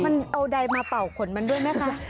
มันเอาใดมาเป่าขนมันด้วยไหมคะ